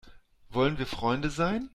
Wollen wir Freunde sein?